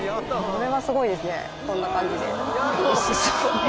こんな感じで。